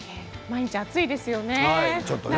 毎日暑いですよね。